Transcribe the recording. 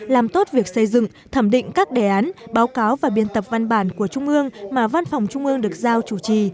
làm tốt việc xây dựng thẩm định các đề án báo cáo và biên tập văn bản của trung ương mà văn phòng trung ương được giao chủ trì